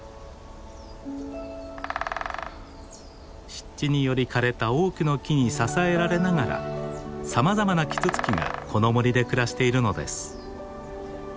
湿地により枯れた多くの木に支えられながらさまざまなキツツキがこの森で暮らしているのです。